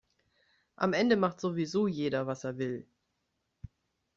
Am Ende macht sowieso jeder, was er will.